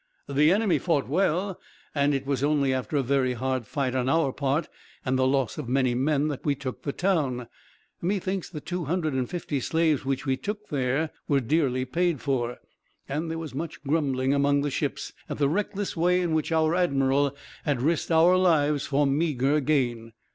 "The enemy fought well, and it was only after a very hard fight on our part, and a loss of many men, that we took the town. Methinks the two hundred and fifty slaves which we took there were dearly paid for; and there was much grumbling, among the ships, at the reckless way in which our admiral had risked our lives, for meager gain.